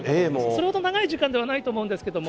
それほど長い時間ではないと思うんですけれども。